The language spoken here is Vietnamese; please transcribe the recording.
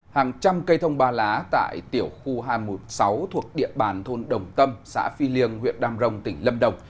hàng trăm cây thông ba lá tại tiểu khu hai trăm một mươi sáu thuộc địa bàn thôn đồng tâm xã phi liêng huyện đam rồng tỉnh lâm đồng